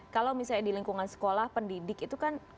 kalau misalnya di lingkungan sekolah pendidik itu kan